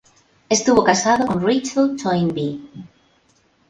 Estuvo casado con Rachel Toynbee.